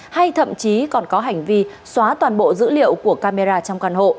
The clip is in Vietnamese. hay thậm chí còn có hành vi xóa toàn bộ dữ liệu của camera trong căn hộ